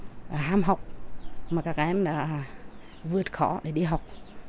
đó là bằng cái tính thân hàm học mà các em đã vượt khỏi để đi học